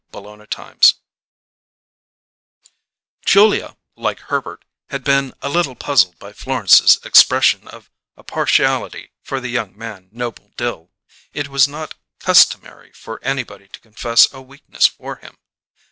CHAPTER THREE Julia, like Herbert, had been a little puzzled by Florence's expression of a partiality for the young man, Noble Dill; it was not customary for anybody to confess a weakness for him.